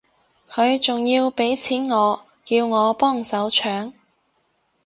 佢仲要畀錢我叫我幫手搶